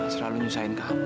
selalu nyusahin kamu